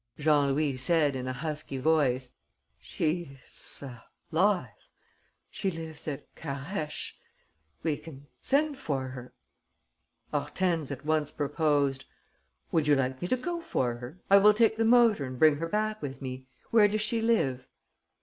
Jean Louis said, in a husky voice: "She is alive.... She lives at Carhaix.... We can send for her...." Hortense at once proposed: "Would you like me to go for her? I will take the motor and bring her back with me. Where does she live?"